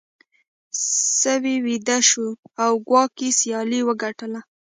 سوی ویده شو او کواګې سیالي وګټله.